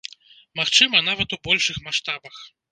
Магчыма, нават у большых маштабах.